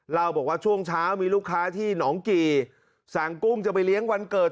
เล่าบอกว่าช่วงเช้ามีลูกค้าที่หนองกี่สั่งกุ้งจะไปเลี้ยงวันเกิด